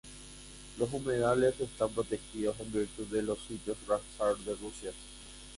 Los humedales están protegidos en virtud de los Sitios Ramsar de Rusia.